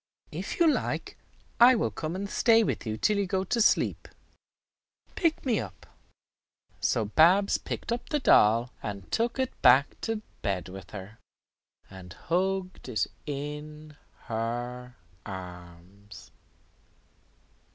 If you like, I will come and stay with you till you go to sleep. Pick me up." So Babs picked up the doll, and took it back to bed with her, and hugged it in her arms.